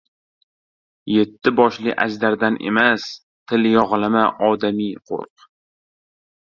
Yetti boshli ajdardan emas, tilyog‘lama odamdai qo‘rq.